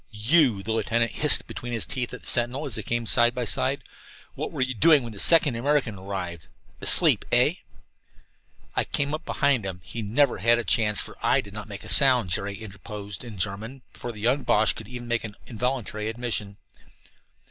"You!" the lieutenant hissed between his teeth at the sentinel as they came side by side. "What were you doing when this second American arrived? Asleep, eh?" "I came up behind him. He never had a chance, for I did not make a sound," Jerry interposed in German, before the young Boche could make even an involuntary admission.